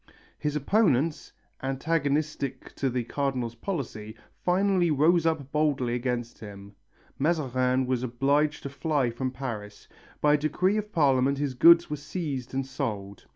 His opponents, antagonistic to the Cardinal's policy, finally rose up boldly against him. Mazarin was obliged to fly from Paris. By a decree of Parliament his goods were seized and sold.